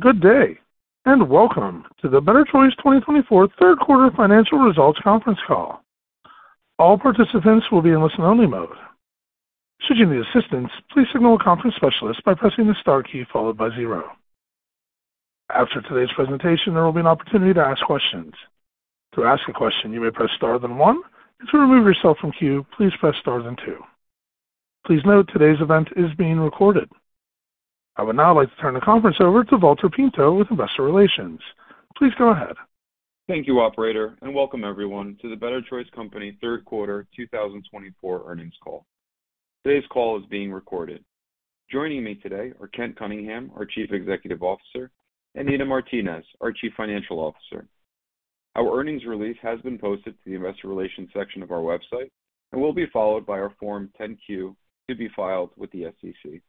Good day, and welcome to the Better Choice 2024 Third Quarter Financial Results Conference Call. All participants will be in listen-only mode. Should you need assistance, please signal a conference specialist by pressing the star key followed by zero. After today's presentation, there will be an opportunity to ask questions. To ask a question, you may press star then one. To remove yourself from queue, please press star then two. Please note today's event is being recorded. I would now like to turn the conference over to Valter Pinto with Investor Relations. Please go ahead. Thank you, Operator, and welcome everyone to the Better Choice Company Third Quarter 2024 Earnings Call. Today's call is being recorded. Joining me today are Kent Cunningham, our Chief Executive Officer, and Nina Martinez, our Chief Financial Officer. Our earnings release has been posted to the Investor Relations section of our website and will be followed by our Form 10-Q to be filed with the SEC.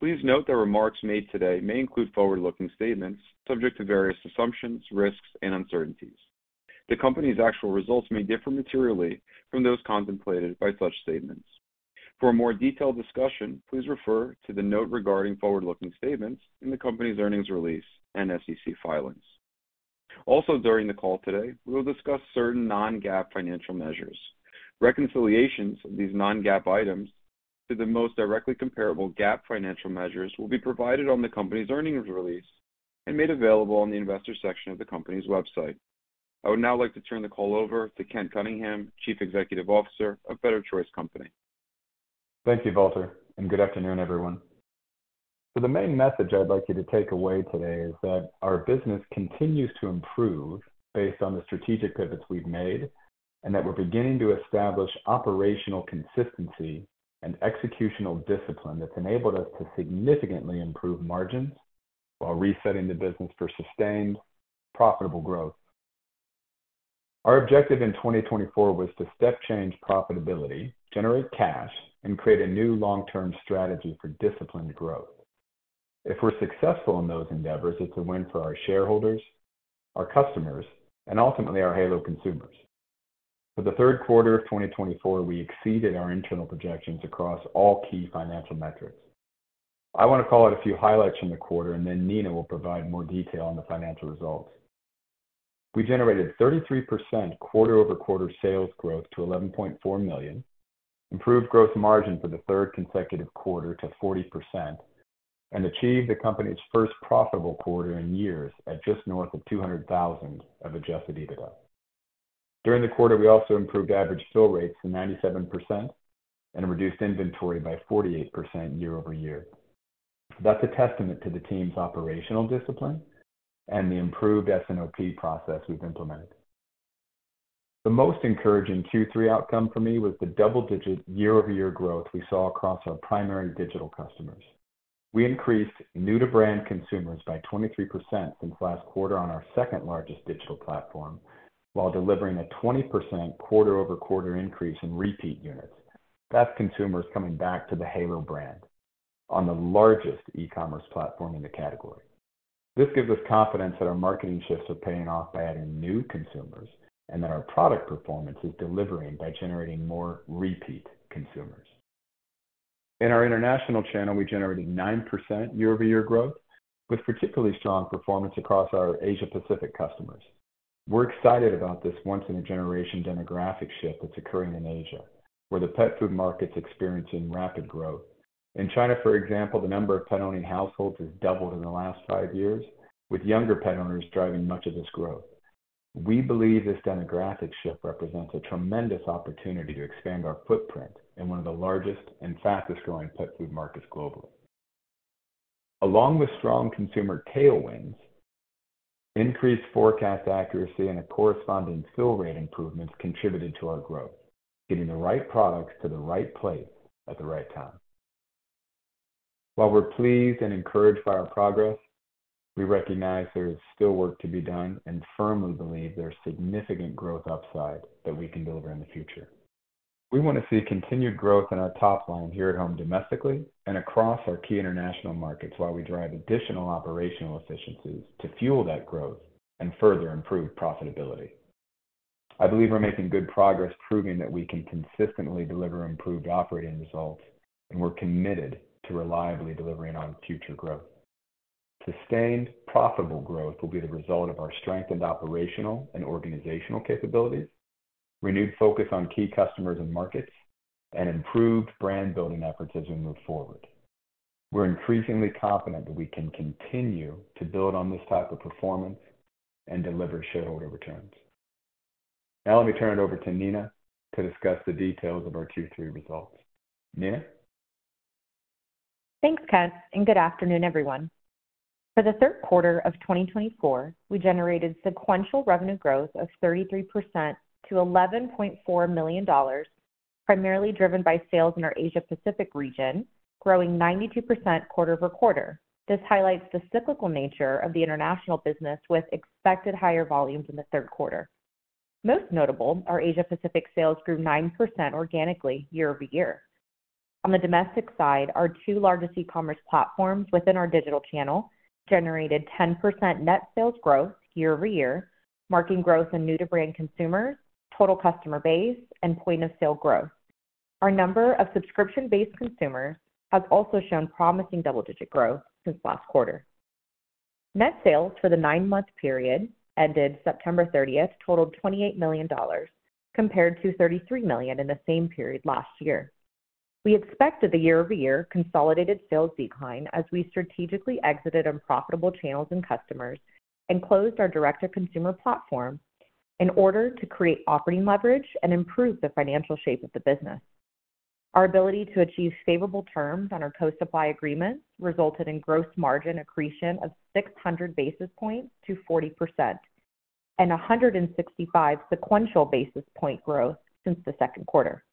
Please note that remarks made today may include forward-looking statements subject to various assumptions, risks, and uncertainties. The company's actual results may differ materially from those contemplated by such statements. For a more detailed discussion, please refer to the note regarding forward-looking statements in the company's earnings release and SEC filings. Also, during the call today, we will discuss certain non-GAAP financial measures. Reconciliations of these non-GAAP items to the most directly comparable GAAP financial measures will be provided on the company's earnings release and made available on the Investor section of the company's website. I would now like to turn the call over to Kent Cunningham, Chief Executive Officer of Better Choice Company. Thank you, Valter, and good afternoon, everyone. So the main message I'd like you to take away today is that our business continues to improve based on the strategic pivots we've made and that we're beginning to establish operational consistency and executional discipline that's enabled us to significantly improve margins while resetting the business for sustained, profitable growth. Our objective in 2024 was to step change profitability, generate cash, and create a new long-term strategy for disciplined growth. If we're successful in those endeavors, it's a win for our shareholders, our customers, and ultimately our Halo consumers. For the third quarter of 2024, we exceeded our internal projections across all key financial metrics. I want to call out a few highlights from the quarter, and then Nina will provide more detail on the financial results. We generated 33% quarter-over-quarter sales growth to $11.4 million, improved gross margin for the third consecutive quarter to 40%, and achieved the company's first profitable quarter in years at just north of $200,000 of adjusted EBITDA. During the quarter, we also improved average fill rates to 97% and reduced inventory by 48% year-over-year. That's a testament to the team's operational discipline and the improved S&OP process we've implemented. The most encouraging Q3 outcome for me was the double-digit year-over-year growth we saw across our primary digital customers. We increased new-to-brand consumers by 23% since last quarter on our second-largest digital platform while delivering a 20% quarter-over-quarter increase in repeat units. That's consumers coming back to the Halo brand on the largest e-commerce platform in the category. This gives us confidence that our marketing shifts are paying off by adding new consumers and that our product performance is delivering by generating more repeat consumers. In our international channel, we generated 9% year-over-year growth with particularly strong performance across our Asia-Pacific customers. We're excited about this once-in-a-generation demographic shift that's occurring in Asia, where the pet food market's experiencing rapid growth. In China, for example, the number of pet-owning households has doubled in the last five years, with younger pet owners driving much of this growth. We believe this demographic shift represents a tremendous opportunity to expand our footprint in one of the largest and fastest-growing pet food markets globally. Along with strong consumer tailwinds, increased forecast accuracy and the corresponding fill rate improvements contributed to our growth, getting the right products to the right place at the right time. While we're pleased and encouraged by our progress, we recognize there is still work to be done and firmly believe there's significant growth upside that we can deliver in the future. We want to see continued growth in our top line here at home domestically and across our key international markets while we drive additional operational efficiencies to fuel that growth and further improve profitability. I believe we're making good progress proving that we can consistently deliver improved operating results, and we're committed to reliably delivering on future growth. Sustained, profitable growth will be the result of our strengthened operational and organizational capabilities, renewed focus on key customers and markets, and improved brand-building efforts as we move forward. We're increasingly confident that we can continue to build on this type of performance and deliver shareholder returns. Now, let me turn it over to Nina to discuss the details of our Q3 results. Nina? Thanks, Kent, and good afternoon, everyone. For the third quarter of 2024, we generated sequential revenue growth of 33% to $11.4 million, primarily driven by sales in our Asia-Pacific region, growing 92% quarter-over-quarter. This highlights the cyclical nature of the international business with expected higher volumes in the third quarter. Most notable, our Asia-Pacific sales grew 9% organically year-over-year. On the domestic side, our two largest e-commerce platforms within our digital channel generated 10% net sales growth year-over-year, marking growth in new-to-brand consumers, total customer base, and point-of-sale growth. Our number of subscription-based consumers has also shown promising double-digit growth since last quarter. Net sales for the nine-month period ended September 30th totaled $28 million, compared to $33 million in the same period last year. We expected the year-over-year consolidated sales decline as we strategically exited unprofitable channels and customers and closed our direct-to-consumer platform in order to create operating leverage and improve the financial shape of the business. Our ability to achieve favorable terms on our co-supply agreements resulted in gross margin accretion of 600 basis points to 40% and 165 sequential basis point growth since the second quarter.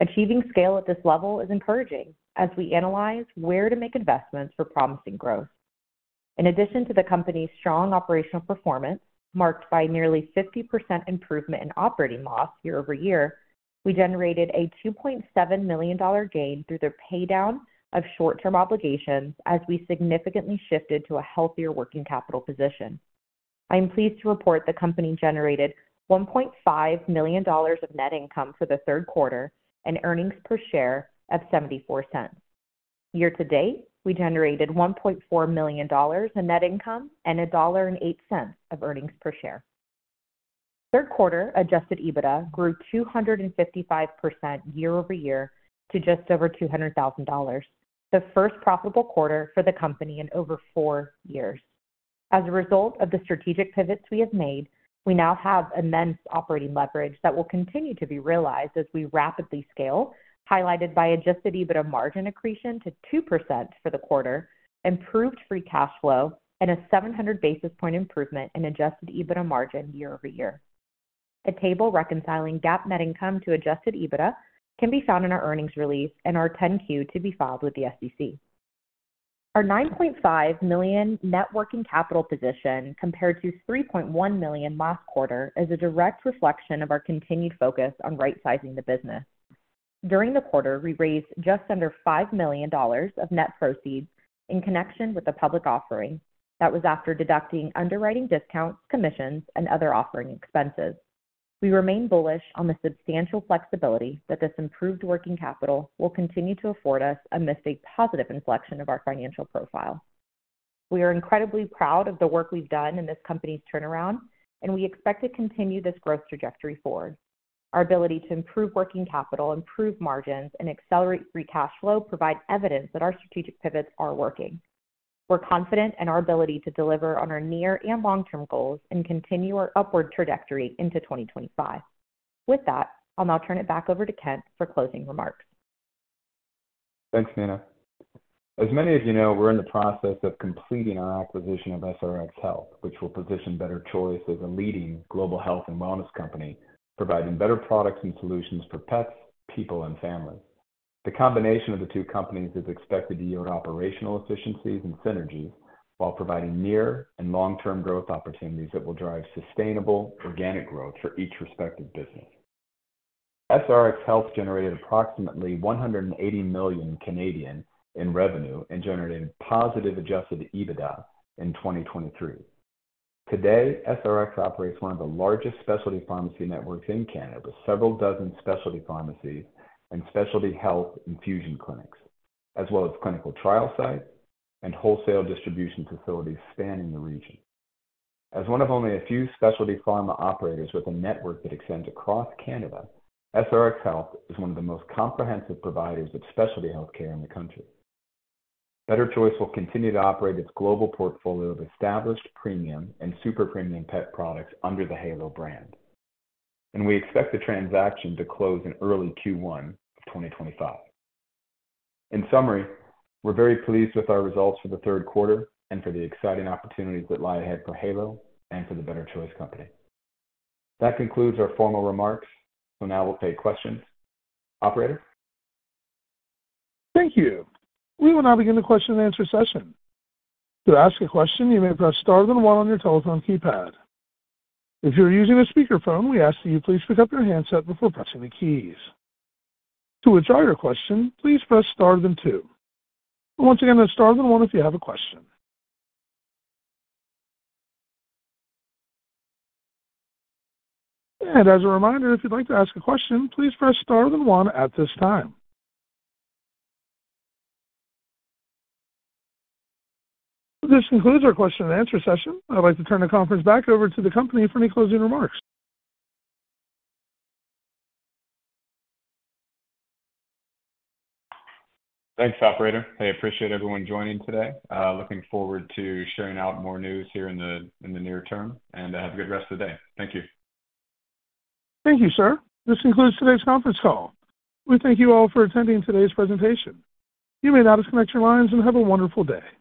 Achieving scale at this level is encouraging as we analyze where to make investments for promising growth. In addition to the company's strong operational performance, marked by nearly 50% improvement in operating loss year-over-year, we generated a $2.7 million gain through the paydown of short-term obligations as we significantly shifted to a healthier working capital position. I am pleased to report the company generated $1.5 million of net income for the third quarter and earnings per share of $0.74. Year-to-date, we generated $1.4 million in net income and $1.08 of earnings per share. Third-quarter adjusted EBITDA grew 255% year-over-year to just over $200,000, the first profitable quarter for the company in over four years. As a result of the strategic pivots we have made, we now have immense operating leverage that will continue to be realized as we rapidly scale, highlighted by adjusted EBITDA margin accretion to 2% for the quarter, improved free cash flow, and a 700 basis point improvement in adjusted EBITDA margin year-over-year. A table reconciling GAAP net income to adjusted EBITDA can be found in our earnings release and our 10-Q to be filed with the SEC. Our $9.5 million net working capital position compared to $3.1 million last quarter is a direct reflection of our continued focus on right-sizing the business. During the quarter, we raised just under $5 million of net proceeds in connection with the public offering. That was after deducting underwriting discounts, commissions, and other offering expenses. We remain bullish on the substantial flexibility that this improved working capital will continue to afford us amidst a positive inflection of our financial profile. We are incredibly proud of the work we've done in this company's turnaround, and we expect to continue this growth trajectory forward. Our ability to improve working capital, improve margins, and accelerate free cash flow provides evidence that our strategic pivots are working. We're confident in our ability to deliver on our near and long-term goals and continue our upward trajectory into 2025. With that, I'll now turn it back over to Kent for closing remarks. Thanks, Nina. As many of you know, we're in the process of completing our acquisition of SRx Health, which will position Better Choice as a leading global health and wellness company, providing better products and solutions for pets, people, and families. The combination of the two companies is expected to yield operational efficiencies and synergies while providing near and long-term growth opportunities that will drive sustainable organic growth for each respective business. SRx Health generated approximately 180 million in revenue and generated positive adjusted EBITDA in 2023. Today, SRx operates one of the largest specialty pharmacy networks in Canada with several dozen specialty pharmacies and specialty health infusion clinics, as well as clinical trial sites and wholesale distribution facilities spanning the region. As one of only a few specialty pharma operators with a network that extends across Canada, SRx Health is one of the most comprehensive providers of specialty healthcare in the country. Better Choice will continue to operate its global portfolio of established premium and super premium pet products under the Halo brand, and we expect the transaction to close in early Q1 of 2025. In summary, we're very pleased with our results for the third quarter and for the exciting opportunities that lie ahead for Halo and for the Better Choice Company. That concludes our formal remarks, so now we'll take questions. Operator? Thank you. We will now begin the question-and-answer session. To ask a question, you may press star then one on your telephone keypad. If you're using a speakerphone, we ask that you please pick up your handset before pressing the keys. To withdraw your question, please press star then two. Once again, that's star then one if you have a question. And as a reminder, if you'd like to ask a question, please press star then one at this time. This concludes our question-and-answer session. I'd like to turn the conference back over to the company for any closing remarks. Thanks, Operator. I appreciate everyone joining today. Looking forward to sharing out more news here in the near term, and have a good rest of the day. Thank you. Thank you, sir. This concludes today's conference call. We thank you all for attending today's presentation. You may now disconnect your lines and have a wonderful day.